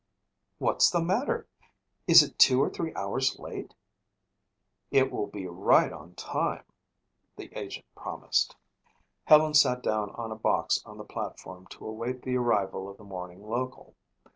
"What's the matter? Is it two or three hours late?" "It will be in right on time," the agent promised. Helen sat down on a box on the platform to await the arrival of the morning local.